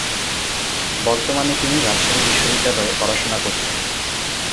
বর্তমানে তিনি রাজশাহী বিশ্ববিদ্যালয়ে পড়াশোনা করছে।